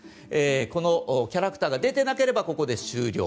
このキャラクターが出てなければ、ここで終了。